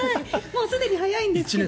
もうすでに早いんですけど。